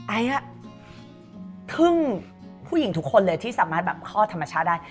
ไอซ์ทึ่งผู้หญิงทุกคนเลยที่สามารถแบบคลอดธรรมชาติได้